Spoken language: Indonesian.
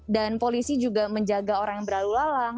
dan polisi juga menjaga orang yang berlalu lalang